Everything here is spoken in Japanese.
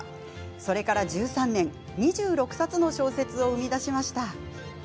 それから１３年２６冊の小説を生み出しました。